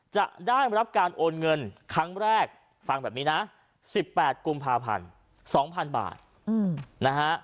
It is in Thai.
จะได้รับการโอนเงินครั้งแรกฟังแบบนี้นะ๑๘กุมภาพันธ์๒๐๐๐บาทนะฮะ